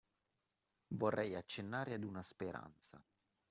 Vorrei accennare ad una speranza